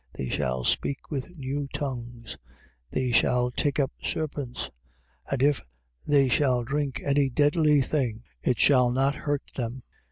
They shall speak with new tongues. 16:18. They shall take up serpents: and if they shall drink any deadly thing, it shall not hurt them.